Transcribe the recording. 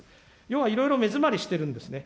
要はいろいろ目詰まりしてるんですね。